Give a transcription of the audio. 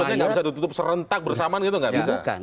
maksudnya tidak bisa ditutup serentak bersamaan gitu nggak bisa